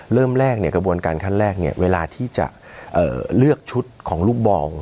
เริ่มแรกกระบวนการขั้นแรกเวลาที่จะเลือกชุดของลูกบอล